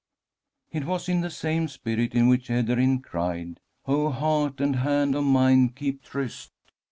It was in the same spirit in which Ederyn cried, "Oh, heart and hand of mine, keep tryst!